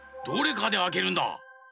どれかであけるんだ。